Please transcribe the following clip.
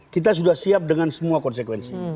kita sudah siap dengan semua konsekuensi